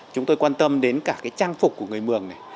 chúng tôi quan tâm đến cả cái trang phục của người mường này